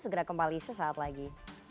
segera kembali sesaat lagi